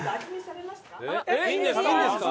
えっいいんですか？